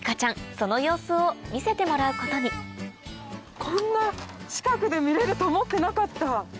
その様子を見せてもらうことにこんな近くで見れると思ってなかった。